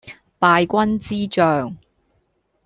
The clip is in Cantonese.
敗軍之將